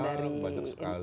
oh banyak banyak sekali